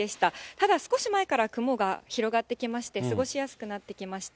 ただ、少し前から雲が広がってきまして、過ごしやすくなってきました。